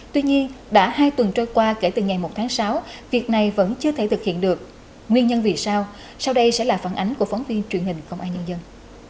tuy nhiên đã hai tuần trôi qua kể từ ngày một tháng sáu việc này vẫn chưa thể thực hiện được nguyên nhân vì sao sau đây sẽ là phản ánh của phóng viên truyền hình công an nhân dân